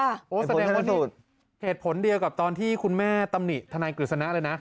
แสดงว่าเหตุผลเดียวกับตอนที่คุณแม่ตำหนิทนายกฤษณะเลยนะ